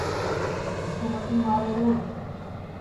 مِسکُو متی مارے رے